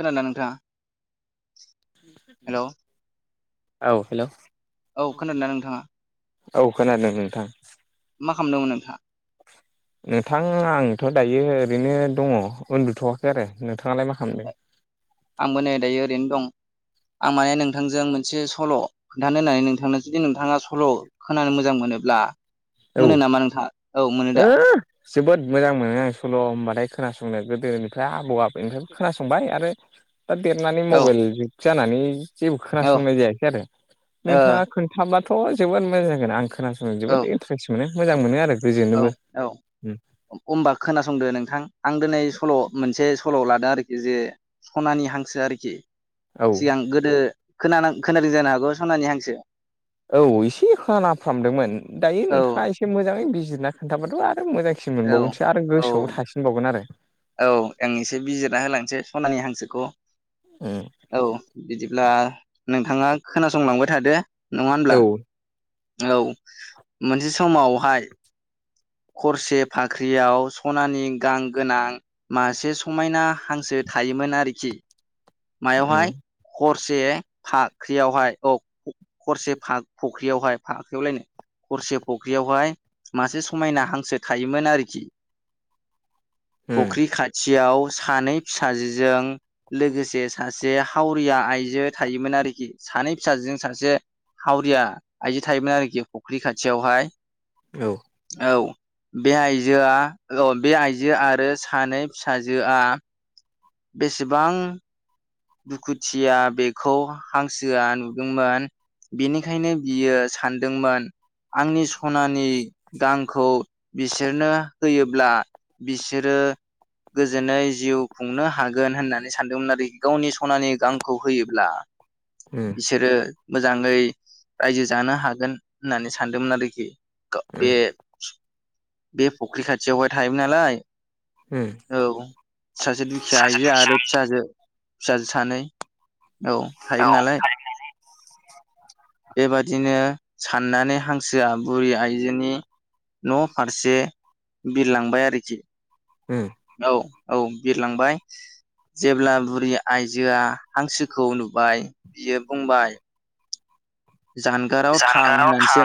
खोनादों नोंथाङा हेलौ औ हेलौ औ खोनादों ना नोंथाङा? औ खोनादों नोंथां मा खालामदोंमोन नोंथाङा? [inaudible] नोंथां आंथ' दायो ओरैनो दङ उन्दुथ'वाखै आरो नोंथाङालाय मा खालामदों? आंबो नै दायो ओरैनो दं आं माने नोंथांजों मोनसे सल' खोन्थानो होननानै नोंथांनो जुदि नोंथाङा सल' खोनानो मोजां मोनोब्ला औ मोनो ओ नामा नोंथाङा औ मोनो दा? जोबोद मोजां मोनो आं सल' होनबाथाय खोनासंनो गोदोनिफ्राय आबौ आबौनिफ्राय खोनासंबाय आरो दा देरनानै औ मबाइल जुग जानानै जेबो औ ओ खोनासंनाय जायाखै आरो नोंथाङा खोन थाब्लाथ' जोबोर मोजां जागोन आं खोनासंनो औ जोबोद इन्टारेस्ट मोनो मोजां मोनो आरो। औ गोजोनोबो औ होनबा खोनासंदो नोंथां आं दिनै सल' मोनसे सल' लादों आरोखि जे सनानि हांसो आरोखि औ सिगां गोदो खोना खोनादों जानो हागौ सनानि हांसो औ एसे खाना फामदोंमोन दायो औ नोंथाङा एसे मोजाङै बिजिरना खोन्थाबादों आरो मोजां सिन औ मोनबावगोनसो आरो औ गोसोआवबो थासिनबावगोन आरो औ आं एसे बिजिरना होलांसै सनानि हांसोखौ उम औ बिदिब्ला नोंथाङा खोनासंलांबाय थादो नङा होनब्ला? औ मोनसे समावहाय खरसे फाख ख्रियाव सनानि गां गोनां मासे समायना हांसो थायोमोन आरोखि। मायावहाय हरसे फाख्रियावहाय औ हरसे फा फख्रियावहाय फाख्रियाव लायनो खरसे फख्रियावहाय मासे समायना हांसो थायोमोन आरोखि। फख्रि खाथियाव सानै फिसाजोजों लोगो से सासे हावरिया आइजो थायोमोन आरोखि सानै फिसाजोजों सासे हावरिया आइजो थायोमोन आरोखि फुख्रि खाथियावहाय औ बे आइजोआ औ बे आइजो आरो सानै फिसाजोआ बेसेबां दुखुथिया बेखौ हांसोआ नुदोंमोन बेनिखायनो बियो सानदोंमोन आंनि सनानि गांखौ बिसोरनो होयोब्ला बिसोरो गोजोनै जिउ खुंनो हागोन होननानै सानदोंमोन आरोखि। गावनि सनानि गांखौ होयोब्ला बिसोरो मोजाङै रायजो जानो हागोन होननानै सानदोंमोन आरोखि ग बे बे फुख्रि खाथियावहाय थायोमोन नालाय। औ फिसाजो दुखिया हायजो आरो फिसाजो फिसाजो सानै औ थायोमोन नालाय। [inaudible] बेबादिनो साननानै हांसोआ बुरि आइजोनि न' फारसे बिरलांबाय आरोखि। औ औ बिरलांबाय। जेब्ला बुरि आइजोआ हांसोखौ नुबाय बियो बुंबाय जानगाराव थां जानगाराव थां होननानैसो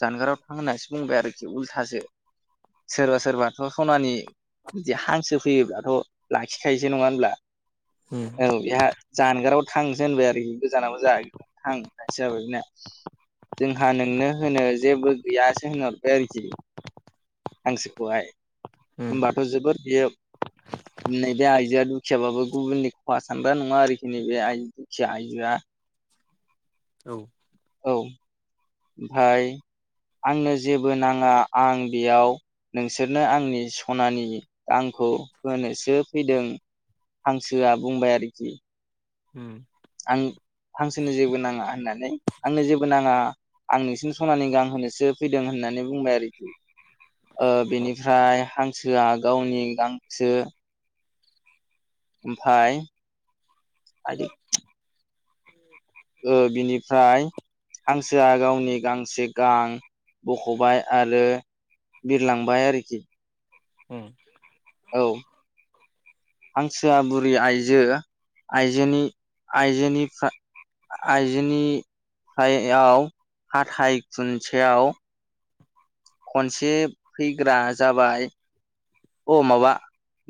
जानगाराव थां होननानैसो बुंबाय आरोखि उल्थासो सोरबा सोरबाथ' सनानि बिदि हांसो फैयोब्लाथ' लाखिखायोसो नङा होनब्ला औ बेहा जानगाराबो थांसो होननबाय आरोखि गोजानाबो जा थां होननायसो जाबाय बेना। जोंहा नोंनो होनो जेबो गैयाासो होनहरबाय आरोखि। हांसोखौहाय आं होनबाथ' जोबोद बियो नैबे आइजोआ दुखियाबो गुबुननि खहा सानग्रा नङा आरोखि नैबे आइजो खिया आउजोआ औ। औ ओमफाय आंनो जेबो नाङा आं बेयाव नोंसोरनो आंनि सनानि गांखौ होनोसो फैदों। हांसोआ बुंबाय आरोखि उम। आं हांसोनो जेबो नाङा होननानै आंनो जेबो नाङा आं नोंसिनो सनानि गां होनोसो फैदों होननानै बुंबाय आरो। बेखौ ओ औ बेनिफ्राय हांसोआ गावनि गांखोसो ओमफाय [unintelligible] [inaudible] ओ बिनिफ्राय हांसोआ गावनि गांसे गां बख'बाय आरो बिरलांबाय आरोखि उम। औ हांसोआ बुरि आइजो आइजोनि आइजोनि आइजोनि सायाव हापता खुनसेयाव खनसे फैग्रा जाबाय। अ माबा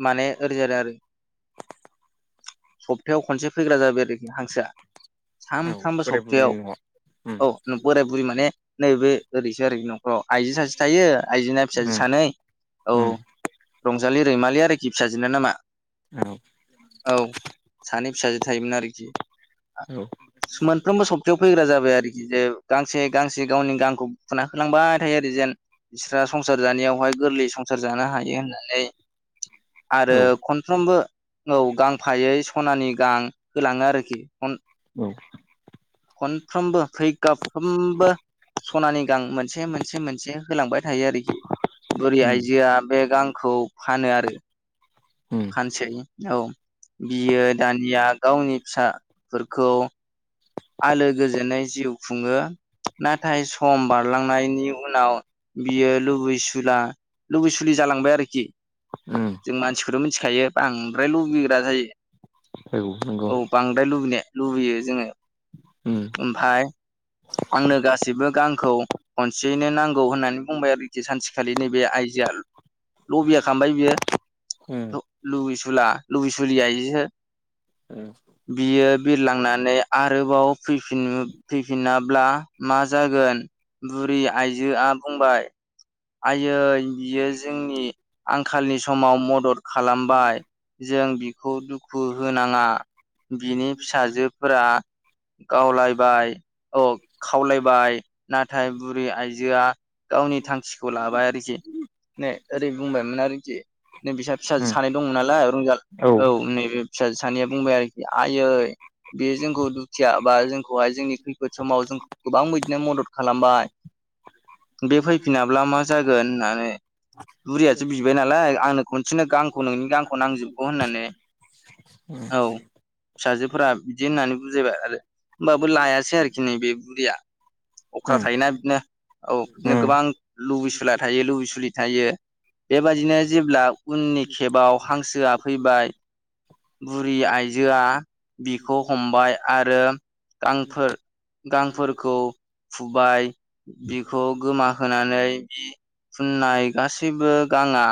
माने ओरै जादों आरो सप्तायाव खनसे फैग्रा जाबाय आरोखि हांसोआ औ सानफ्रामबो बोराय सप्थायाव बुरैनि न'आव उम औ बोराय बुरि माने नैबे ओरैसो आरोखि न'खराव आइजो सासे थायो आइजोना फिसाजो उम सानै औ उम रंजालि, रैमालि आरोखि फिसाजोना नामा। औ। औ सानै फिसाजो थायोमोन आरोखि औ। सु मोनफ्रोमबो सप्तायाव फैग्रा जाबाय आरोखि जे गांसे गांसे गावनि गांखौ फुना होलांबाय थायो आरो जेन बिस्रा संसार जानायावहाय गोरलै संसार जानो हायो होननानै आरो औ खनफ्रोमबो औ गांफायै सनानि गां होलाङो आरोखिअन उम खनफ्रोमबो फैगाफ्रोमबो सनानि गां मोनसे मोनसे मोनसे होलांबाय थायो आरोखि बुरि उम आइजोआ बे गांखौ फानो आरो [inaudible] ओम फानसै औ बियो दानिया गावनि फिसाफोरखौ आलो गोजोनै जिउ खुङो नाथाय सम बारलांनायनि उनाव बियो लुबैसुला लुबैसुलि जालांबाय आरोखि उम जों मानसिखौथ' मिथिखायो बांद्राय लुबैग्रा जायो औ नंगौ औ बांद्राय लुबैनाया लुबैयो जोङो उम ओमफाय आंनो गासैबो गांखौ खनसेयैनो नांगौ होननानै बुंबाय आरोखि सानसेखालि नैबे आइजोआ लबिया खामबाय उम बियो लुबैसुला लबैसुलि आयजो उम बियो बिरलांनानै आरोबाव फैफिन फैफिनाब्ला मा जागोन बुरि आइजोआ बुंबाय आयै बियो जोंनि आंखालनि समाव मदद खालामबाय जों बिखौ दुखु होनाङा बिनि फिसाजोफोरा गावलायबाय अ खावलायबाय नाथाय बुरि आइजोआ गावनि थांखिखौ लाबाय आरोखि नै ओरै बुंबायमोन आरोखि नै फिसा फिसा उम सानै दंमोन नालाय रंजाल औ नै बे फिसा सानैया बुंबाय आरोखि आयै बेयो जोंखौ दुखिया बा जोंखौहाय जोंनि खैफोद समाव जोंखौ गोबां बिदिनो मदद खालामबाय बे फैफिनाब्ला मा जागोन होननानै बुरियासो बिबाय नालाय आंनो खनसेनो गांखौ नोंनि गांखौ नांजोबगौ होननानै औ फिसाजोफोरा बिदि होननानै बुजायबाय आरो होमबाबो लायासै आरोखि नै बे बुरैया अख्रा उम थायोना बिदिनो औ बिदिनो उम गोबां लुबैसुला थायो लुबैसुलि थायो बेबायदिनो जेब्ला उननि केबाव हांसोआ फैबाय बुरि आइजोआ बिखौ हमबाय आरो गांफोर गांफोरखौ फुबाय बिखौ गोमा होनानै बिनि फुननाय गासैबो गाङा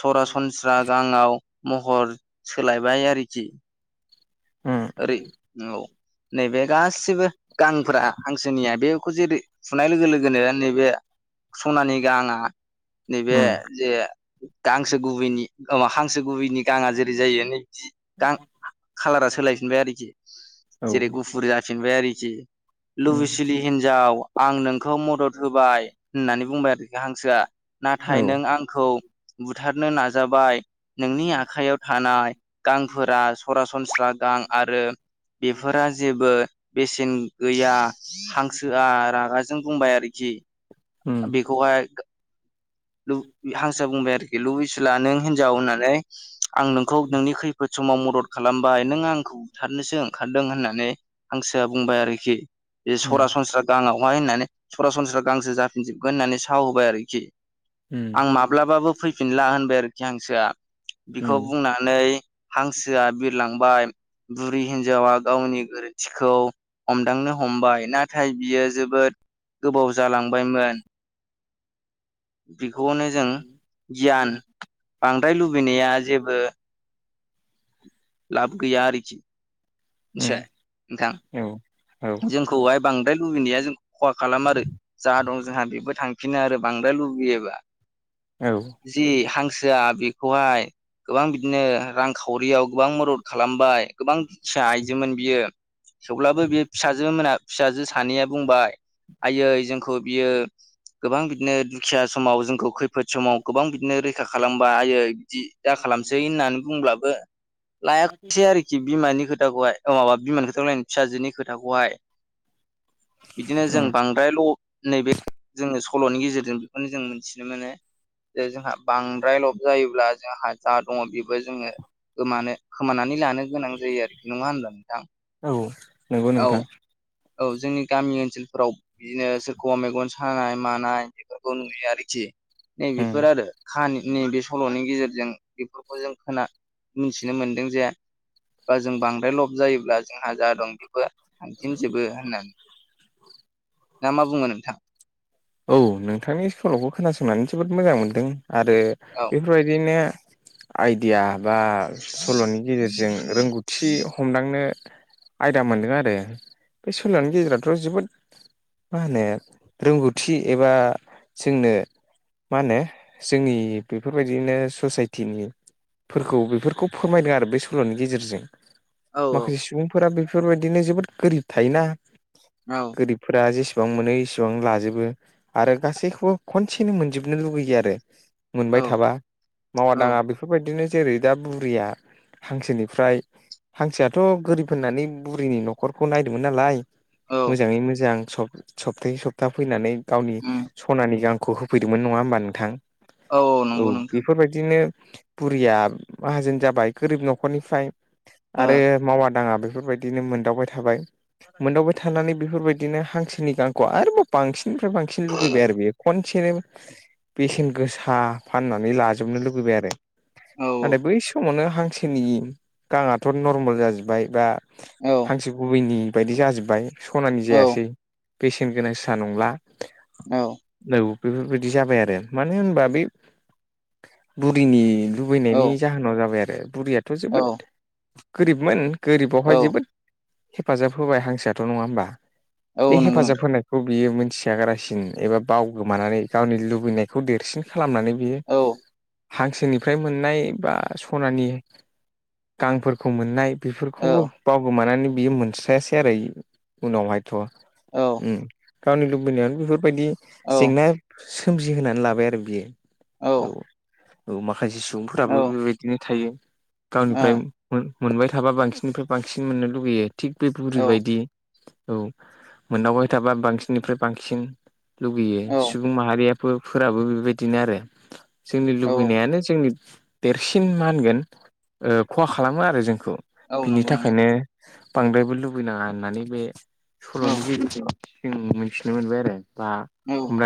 सरासनस्रा गांआव महर सोलायबाय आरोखि उम उम ओरै औ नैबे गासैबो गांफोरा हांसोनिया बेखौ जेरै फुनाय लोगो लोगोनो नैबे सनानि गाङा नैबे जे हांसो गुबैनि अ हांसो गुबैनि गाङा जेरै जायो नै गां खालारा सोलायफिनबाय आरोखि औ उम औ जेरै गुफुर जाफिनबाय आरोखि उम लुबैसिलि हिनजाव आं नोंखौ मदद होबाय होननानै बुंबाय आरोखि हांसोआ नाथाय उम नों आंखौ बुथारनो नाजाबाय नोंनि आखायाव थानाय गांफोरा सरासनस्रा गां आरो बेफोरा जेबो बेसेन गैया हांसोआ रागाजों बुंबाय आरोखि बेखौहाय हांसोआ बुंबाय आरोखि लुबैसुला नों हिनजाव होननानै आं नोंखौ नोंनि खैफोद समाव मदद खालामबाय नों आंखौ बोथारनोसो ओंखारदों होननानै हांसोआ बुंबाय आरोखि बे सरासनस्रा गांडावहाय होननानै सरासनस्रा गांसो जाफिनजोबगोन होननानै साव होबाय आरोखि उम आं माब्लाबाबो फैफिनला होनबाय आरोखि हांसोआ बिखौ उम बुंनानै हांसोआ बिरलांबाय बुरि हिन्जावा गावनि गोरोन थिखौ हमदांनो हमबाय नाथाय बियो जोबोद गोबाव जालांबायमोन बेखौनो जों गियान बांद्राय लुबैनाया जेबो लाब गैया आरोखि उम मिथिबाय औ औ नोंथां जोंखौहाय बांद्राय लुबैनाया जों खहा खालाम आरो जा दं जोंहा बेबो थांफिनो आरो बांद्राय लुबैयोबा औ जि हांसोआ बेखौहाय गोबां बिदिनो रां खावरियाव गोबां मदद खालामबाय गोबां दुखिया आइजोमोन बियो थेवब्लाबो बियो फिसाजो मोना फिसाजो सानैया बुंबाय आयै जोंखौ बियो गोबां बिदिनो दुखिया समाव जोंखौ खैफोद समाव गोबां बिदिनो रैखा खालामबा आयो बिदि दा खालामसै होननानै बुंब्लाबो लायाखिसै आरोखि बिमानि खो थाखौहाय औ माबा बिमा खोथा अ फिसाजो खोथाखौहाय बिदिनो जों उम बांद्राय ल' नैबे जोङो सल'नि गेजेरजों बेखौनो जों मोनथिनो मोनो जे जोंहा बांद्राय ल'ब जायोब्ला जोंहा जा दङ बेबो जोङो गोमानो खोमानानै लानो गोनां जायो आरोखि नङा होनबा नोंथां औ नंगौ औ नोंथां औ जोंनि गामि ओनसोलफोराव बिदिनो सोर खौबा मेगन सानाय मानाय बेफोरखौ नुयो आरोखि नैबे उम बेेफोर आरो ख नैबे सल'नि गेजेरजों बेफोरखौ जों खोना मिथिनो मोनदों जे बा जों बांद्राय लब जायोब्ला जोंहा जा दं बेबो थांफिनजोबो होनना ना मा बुङो नोंथां औ नोंथांनि सल'खौ खोनासंनानै जोबोद मोजां मोनदों आरो औ बेफोरबायदिनो आइदिया बा सल'नि गेजेरजों रोंगौ थि हमदांनो आयदा मोनदों आरो बे सल'नि गेजेरावथ' जोबोद मा होनो रोंगौथि एबा जोंनो मा होनो जोंनि बेफोरबायदिनो ससाइटिनि फोरखौ बेफोरखौ फोरमायदों आरो बे सल'नि गेजेरजों औ माखासे सुबुंफोरा बेफोरबायदिनो जोबोद गोरिब थायोना औ गोरिबफोरा जेसेबां मोनो इसेबां लाजोबो आरो गासैखौबो खनसेनो मोनजोबनो लुुबैयो आरो मोनबाय औ थाबा मावा औ दाङा बे बेफोरबायदिनो जेरै दा बुरिया हांसोनिफ्राय हांसोआथ' गोरिब होननानै बुरिनि न'खरखौ नायदोंमोन नालाय औ मोजाङै मोजां सब सप्तायै सप्ता फैनानै गावनि उम सनानि गांखौ होफैदोंमोन नङा होमबा नोंथां औ बेफोरबायदिनो बुरिया माहाजोन जाबाय गोरिब न'खरनिफ्राय ओ आरो मावा दाङा बेफोरबाय दिनो मोनदावबाय थाबाय मोनदावबाय थानानै बेफोरबायदिनो हांसोनि गांखौ आरोबाव बांसिन निफ्राय बांसिन लुगैबाय आरो बे खनसेनो बेसेन गोसा फाननानै लाजोबनो लुगैबाय आरो औ नाथाय बै समावनो हांसोनि गांथ' नर्मेल जाजोब्बाय बा औ हांसो गुबैनि बायदि जाजोब्बाय सनानि औ जायासै बेसेन गोनांसा नंला औ औ बेफोरबायदि जाबाय आरो मानो होनबा बे बुरिनि औ लुबैनायनि जाहोनाव जाबाय आरो बुरैयाथ' जोबोद औ गोरिबमोन औ गोरिबावहाय जोबोद हेफाजाब होबाय हांसोआथ' नङा होमबा औ बे नंगौ हेफाजाब नोंथां होनायखौ बियो मोनथि यागारासिन एबा बाव गोमानानै गावनि लुबैनायखौ देरसिन खालामनानै बियो औ हांसोनिफ्राय मोननाय बा सनानि गांफोरखौ मोननाय औ बेफोरखौबो बावगोमानानै बियो मोनस्रायासै आरो इ उनावहायथ' औ गावनि लु बैनायावनो बेफोरबायदि जेंना सोमजिहोनानै लाबाय आरो बियो। औ। औ माखासे सुबुंफोराबो बेबायदिनो थायो। गावनिफ्राय औ मोनबाय थाबा बांसिननिफ्राय बांसिन मोननो लुगैयो। थिग बे औ बुरिबायदि औ मोनदावबाय थाबा बांसिननिफ्राय बांसिन लुगैयो सुबुं माहारिया फोराबो बेबायदिनो आरो। जोंनि औ लुबैनायानो जोंनि देरसिन मा होनगोन खहा खालामो आरो जोंखौ। बिनि नंगौ नोंथां थाखायनो बांद्रायबो लुबैनाङा होननानै बे औ सल'नि गेजेरजों जों मोन थिनो मोनबाय आरो बा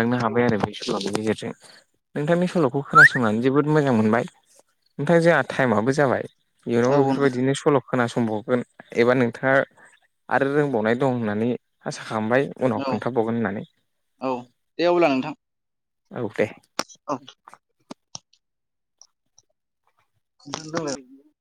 औ हाबाय आरो बे सल'नि गेजेरजों नोंथांनि सल'खौ खोनासंनानै जोबोद मोजां मोनबाय। ओमफ्राय जोंहा टाइमआबो जाबाय। औ इयुनावबो नोंथां बेफोरबायदिनो सल' खोनासंबावगोन एबा नोंथाङा आरो रोंबावनाय दं होननानै आसा खालामबाय। औ। बावगोन होननानै औ दे अब्ला नोंथां औ दे। औ। [unintelligible]